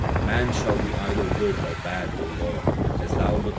Man shall be either good or bad, O Lord, as Thou lookest on him.